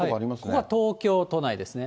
ここは東京都内ですね。